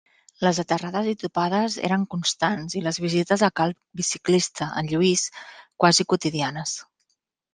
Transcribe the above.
Les aterrades i topades eren constants i les visites a cal biciclista, en Lluís, quasi quotidianes.